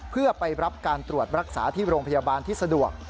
เพื่อไปรับการตรวจรักษาที่โรงพยาบาลที่สะดวก